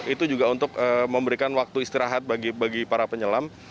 itu juga untuk memberikan waktu istirahat bagi para penyelam